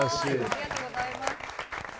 ありがとうございます」